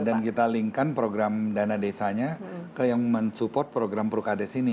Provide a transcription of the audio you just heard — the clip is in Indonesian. dan kita linkan program dana desanya ke yang mensupport program purkades ini